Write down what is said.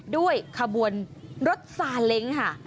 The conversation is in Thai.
ด้วยขบวนรถซาเล้งค่ะ